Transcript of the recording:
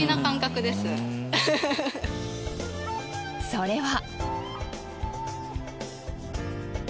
それは。